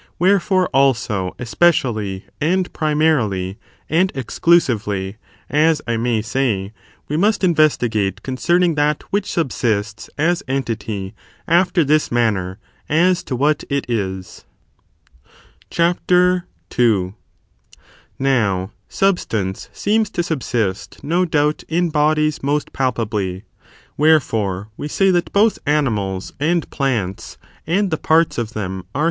Wherefore, also, especially, and primarily, and exclusively, as I may say, we must investigate concerning that which subsists as entity after this manner, as to what it is. CHAPTER II.1 I. Opinions Now, substaucc scems to subsist, no doubt, in sSmcVwhether ^^^^ ^^^t palpably. Wherefore, we say that natural or both animals, and plants, and the parts of them, supranaturai.